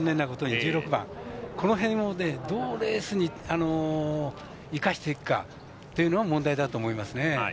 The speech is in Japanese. １６番、この辺をどうレースに生かしていくかっていうのが問題だと思います。